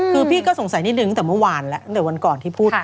คือพี่ก็สงสัยนิดนึงตั้งแต่เมื่อวานแล้วตั้งแต่วันก่อนที่พูด